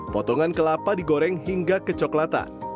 potongan kelapa digoreng hingga kecoklatan